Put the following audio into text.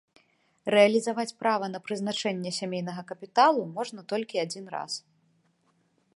Рэалізаваць права на прызначэнне сямейнага капіталу можна толькі адзін раз.